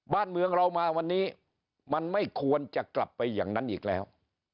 บ้านเมืองเรามาวันนี้มันไม่ควรจะกลับไปอย่างนั้นอีกแล้ว